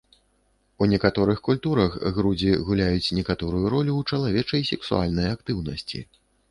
У некаторых культурах грудзі гуляюць некаторую ролю ў чалавечай сексуальнай актыўнасці.